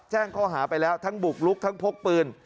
แจ้งข้อหาไปแล้วทั้งบุกลุกทั้งพกปืน